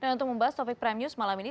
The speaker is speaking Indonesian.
untuk membahas topik prime news malam ini